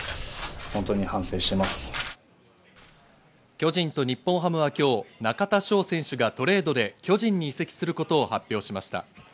巨人と日本ハムは今日、中田翔選手がトレードで巨人に移籍することを発表しました。